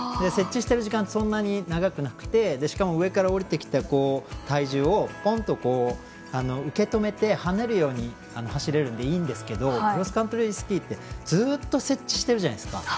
接地している時間ってそんなに長くなくてしかも上から下りてきた体重をポンと受け止めてはねるように走れるのでいいんですけどクロスカントリースキーってずっと接地してるじゃないですか。